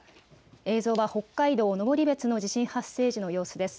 映像は北海道登別の地震発生時の様子です。